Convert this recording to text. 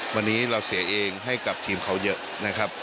วันนี้เราเสียเองให้กับทีมเขาเยอะนะครับ